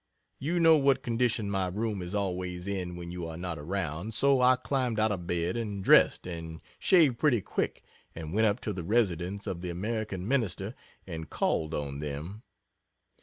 You know what condition my room is always in when you are not around so I climbed out of bed and dressed and shaved pretty quick and went up to the residence of the American Minister and called on them.